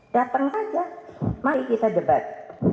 datang saja mari kita debat